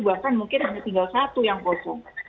bahkan mungkin hanya tinggal satu yang kosong